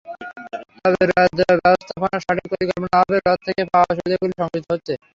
তবে হ্রদ ব্যবস্থাপনার সঠিক পরিকল্পনার অভাবে হ্রদ থেকে পাওয়া সুবিধাগুলো সংকুচিত হচ্ছে।